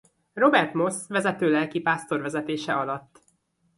Robert Moss vezető lelkipásztor vezetése alatt.